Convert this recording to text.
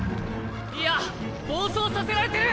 いや暴走させられてる！